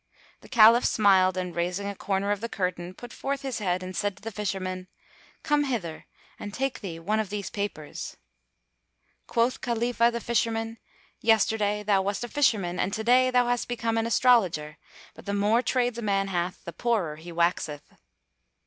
The Caliph smiled and raising a corner of the curtain, put forth his head and said to the Fisherman, "Come hither and take thee one of these papers." Quoth Khalifah the Fisherman, "Yesterday thou wast a fisherman, and to day thou hast become an astrologer; but the more trades a man hath, the poorer he waxeth."